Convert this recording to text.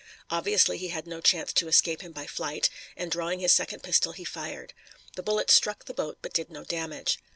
Obviously he had no chance to escape him by flight, and drawing his second pistol he fired. The bullet struck the boat but did no damage.